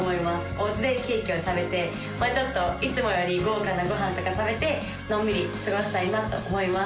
お家でケーキを食べてまあちょっといつもより豪華なご飯とか食べてのんびり過ごしたいなと思います